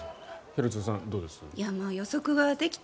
廣津留さん、どうです？